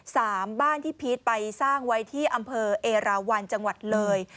สามบ้านที่พีชไปสร้างไว้ที่อำเภอเอราวันจังหวัดเลย